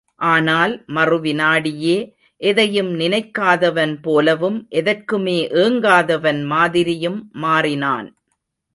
ஆனால் மறுவினாடியே, எதையும் நினைக்காதவன் போலவும் எதற்குமே ஏங்காதவன் மாதிரியும் மாறினான்.